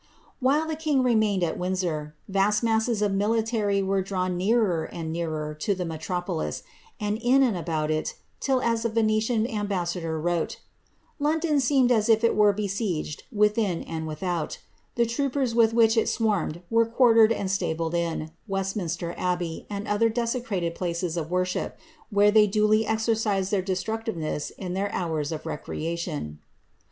While the king remained at Windsor, vast masses of military were drawn nearer and nearer to the metropolis, and in and about it, till, ai the Venetian ambassador wrote, ^ London seemed as if it were besieged within and without ; the troopers with which it swarmed were quartered and stabled in" Westminster Abbey and other desecrated places of wor ship, where tliey duly exercised their destructiveness in their hous of recreation.